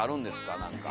何か。